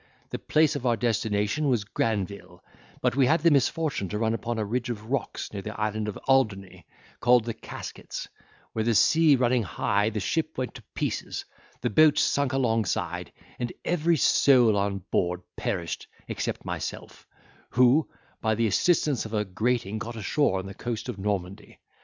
The place of our destination was Granville, but we had the misfortune to run upon a ridge of rocks near the Island of Alderney, called the Caskets, where the sea running high, the ship went to pieces, the boat sunk alongside, and every soul on board perished, except myself, who, by the assistance of a grating got ashore on the coast of Normandy.